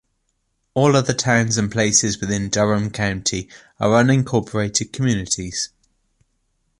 All other towns and places within Durham County are unincorporated communities.